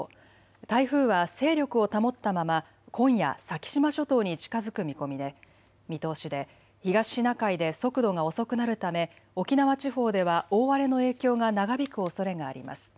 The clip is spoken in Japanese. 台風は勢力を保ったまま今夜、先島諸島に近づく見通しで東シナ海で速度が遅くなるため沖縄地方では大荒れの影響が長引くおそれがあります。